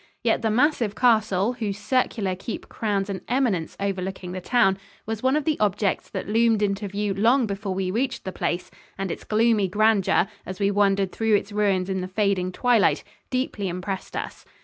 Yet the massive castle, whose circular keep crowns an eminence overlooking the town, was one of the objects that loomed into view long before we reached the place, and its gloomy grandeur, as we wandered through its ruins in the fading twilight, deeply impressed us.